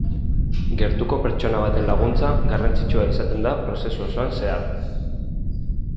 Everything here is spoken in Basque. Gertuko pertsona baten laguntza garrantzitsua izaten da prozesu osoan zehar.